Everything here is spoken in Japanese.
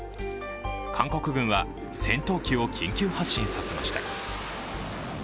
韓国軍は戦闘機を緊急発進させました。